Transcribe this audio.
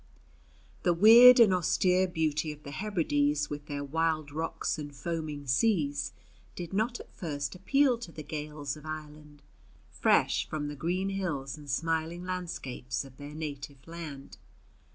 The weird and austere beauty of the Hebrides with their wild rocks and foaming seas did not at first appeal to the Gaels of Ireland, fresh from the green hills and smiling landscapes of their native land.